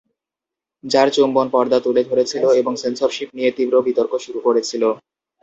যার চুম্বন পর্দা তুলে ধরেছিল এবং সেন্সরশিপ নিয়ে তীব্র বিতর্ক শুরু করেছিল।